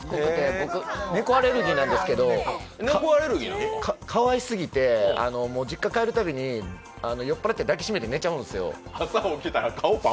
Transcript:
僕、猫アレルギーなんですけど、かわいすぎて実家帰るたびに、酔っ払ってかわいすぎて寝ちゃうんですよ。